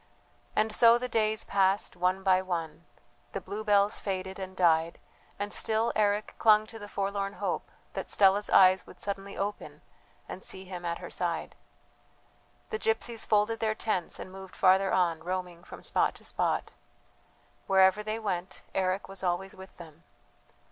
And so the days passed one by one; the bluebells faded and died, and still Eric clung to the forlorn hope that Stella's eyes would suddenly open and see him at her side. The gypsies folded their tents and moved farther on, roaming from spot to spot. Wherever they went Eric was always with them.